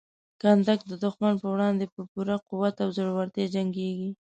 کنډک د دښمن په وړاندې په پوره قوت او زړورتیا جنګیږي.